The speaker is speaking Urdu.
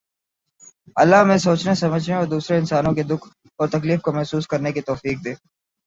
اللہ ہمیں سوچنے سمجھنے اور دوسرے انسانوں کے دکھ اور تکلیف کو محسوس کرنے کی توفیق دے